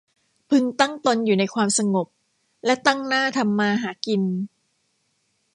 พึงตั้งตนอยู่ในความสงบ และตั้งหน้าทำมาหากิน